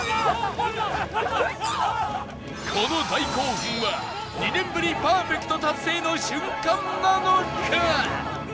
この大興奮は２年ぶりパーフェクト達成の瞬間なのか？